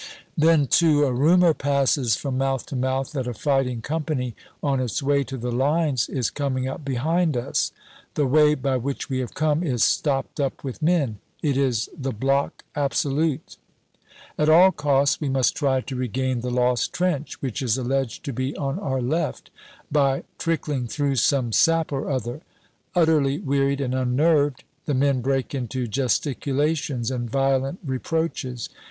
Then, too, a rumor passes from mouth to mouth that a fighting company on its way to the lines is coming up behind us. The way by which we have come is stopped up with men. It is the block absolute. At all costs we must try to regain the lost trench which is alleged to be on our left by trickling through some sap or other. Utterly wearied and unnerved, the men break into gesticulations and violent reproaches.